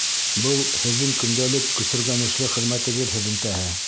Был — һеҙҙең көндәлек көсөргәнешле хеҙмәтегеҙ һөҙөмтәһе.